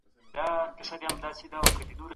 کوډین لرونکي درمل مه کاروئ.